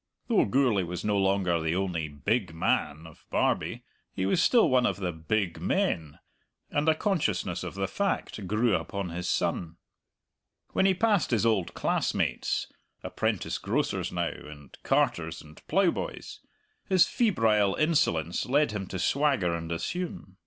Though Gourlay was no longer the only "big man" of Barbie, he was still one of the "big men," and a consciousness of the fact grew upon his son. When he passed his old classmates (apprentice grocers now, and carters and ploughboys) his febrile insolence led him to swagger and assume.